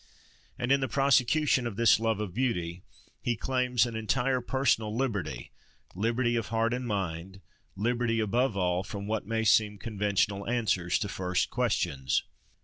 And in the prosecution of this love of beauty, he claims an entire personal liberty, liberty of heart and mind, liberty, above all, from what may seem conventional answers to first questions.